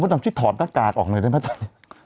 มดดำที่ถอดหน้ากากออกหน่อยด้วยพระเจ้า